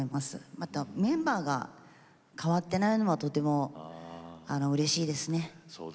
またメンバーが変わっていないのも、とてもうれしいですね。